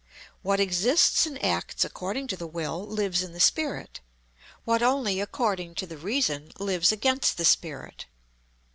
What exists and acts according to the Will lives in the Spirit; what only according to the Reason lives against the Spirit.